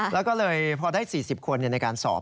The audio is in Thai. แล้วก็เลยพอได้๔๐คนในการสอบ